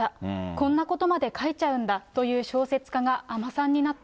こんなことまで書いちゃうんだという小説家が尼さんになった。